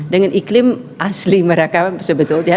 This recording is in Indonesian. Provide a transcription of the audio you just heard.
dengan iklim asli mereka sebetulnya